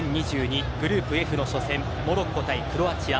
グループＦの初戦モロッコ対クロアチア。